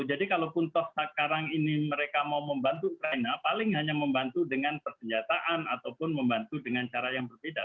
jadi kalau pun sekarang ini mereka mau membantu ukraina paling hanya membantu dengan persenjataan ataupun membantu dengan cara yang berbeda